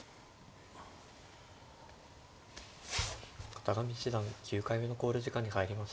片上七段９回目の考慮時間に入りました。